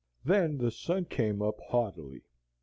Then the sun came up haughtily.